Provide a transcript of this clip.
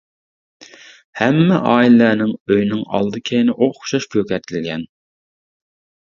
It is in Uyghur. ھەممە ئائىلىلەرنىڭ ئۆيىنىڭ ئالدى-كەينى ئوخشاش كۆكەرتىلگەن.